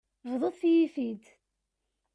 Bḍut-iyi-t-id.